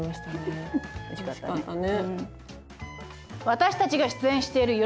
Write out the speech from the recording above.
私たちが出演している夜